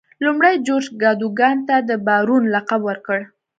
لومړي جورج کادوګان ته د بارون لقب ورکړ.